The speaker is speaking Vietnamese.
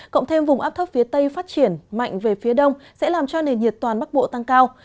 cộng thêm vùng áp thấp phía tây phát triển mạnh về phía đông sẽ làm cho nền nhiệt toàn bắc bộ tăng cao